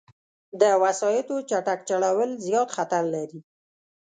د وسايطو چټک چلول، زیاد خطر لري